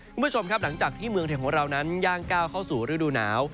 คุณผู้ชมครับหลังจากที่เมืองไทยของเรานั้นย่างก้าวเข้าสู่ฤดูหนาว